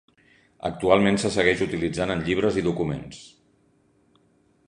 Actualment se segueix utilitzant en llibres i documents.